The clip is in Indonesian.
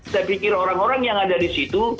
saya pikir orang orang yang ada di situ